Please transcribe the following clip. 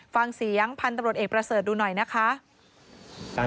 ฟังเสียงพันธุ์ตำรวจเอกประเสริฐดูหน่อยนะคะ